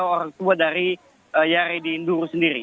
orang tua dari yaredi induro sendiri